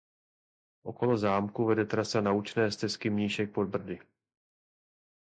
Okolo zámku vede trasa Naučné stezky Mníšek pod Brdy.